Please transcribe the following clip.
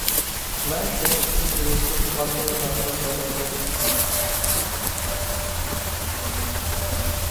مەن شۇنىڭ ئۈچۈن بۇ يىلقى قارنى تەقەززالىق بىلەن كۈتتۈم.